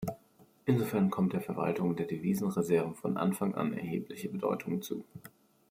Insofern kommt der Verwaltung der Devisenreserven von Anfang an erhebliche Bedeutung zu.